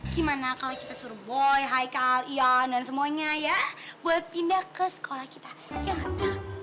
gimana kalo kita suruh boye haikal ian dan semuanya ya buat pindah ke sekolah kita ya enggak kak